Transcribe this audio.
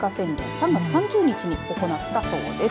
３月３０日に行ったそうです。